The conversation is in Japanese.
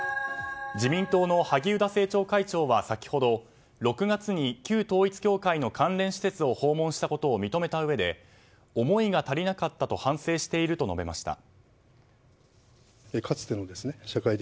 自民党の萩生田政調会長は先ほど６月に旧統一教会の関連施設を訪問したことを認めたうえで思いが足りなかったと反省していると述べました。